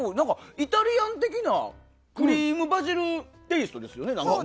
イタリアン的なクリームバジルテイストですよね。